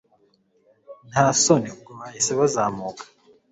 ntasoni ubwo bahise bazamuka